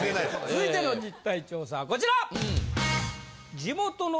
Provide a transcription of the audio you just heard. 続いての実態調査はこちら！